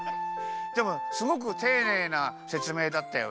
でもすごくていねいなせつめいだったよね。